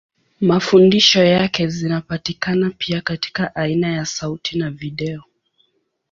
Mafundisho yake zinapatikana pia katika aina ya sauti na video.